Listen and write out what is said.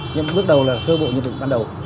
nhưng bước đầu là sơ bộ nhận định ban đầu